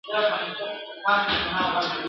او ځوان شاعران زیاتره د نورو شاعرانو !.